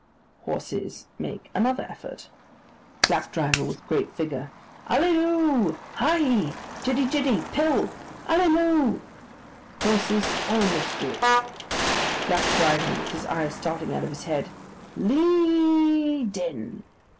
Horses make another effort. BLACK DRIVER (with great vigour). 'Ally Loo! Hi. Jiddy, Jiddy. Pill. Ally Loo!' Horses almost do it. BLACK DRIVER (with his eyes starting out of his head). 'Lee, den.